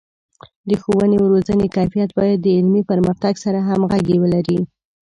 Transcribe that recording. د ښوونې او روزنې کیفیت باید د علمي پرمختګ سره همغږي ولري.